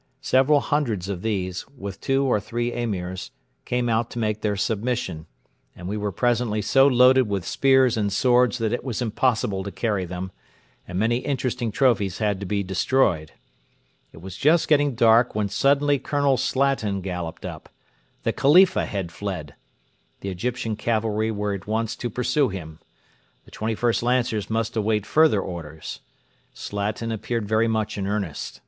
Several hundreds of these, with two or three Emirs, came out to make their submission; and we were presently so loaded with spears and swords that it was impossible to carry them, and many interesting trophies had to be destroyed. It was just getting dark when suddenly Colonel Slatin galloped up. The Khalifa had fled! The Egyptian cavalry were at once to pursue him. The 21st Lancers must await further orders. Slatin appeared very much in earnest.